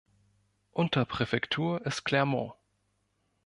Unterpräfektur ist Clermont.